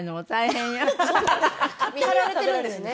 見張られてるんですね。